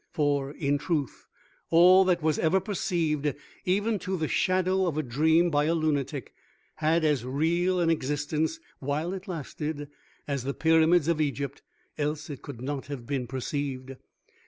For, in truth, all that was ever perceived, even to the shadow of a dream by a lunatic, had as real an existence while it lasted as the Pyramids of Egypt, else it could not have been perceived.